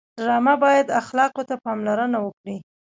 ډرامه باید اخلاقو ته پاملرنه وکړي